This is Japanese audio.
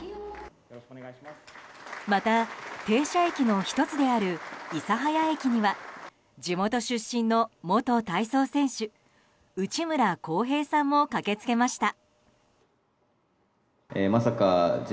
また停車駅の１つである諫早駅には地元出身の元体操選手・内村航平さんも駆けつけました。